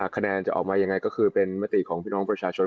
คะแนนจะออกมายังไงก็คือเป็นมติของพี่น้องประชาชน